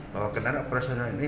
bahwa kendaraan operasional ini